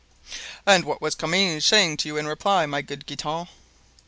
"And what was Comminges saying to you in reply, my good Guitant?"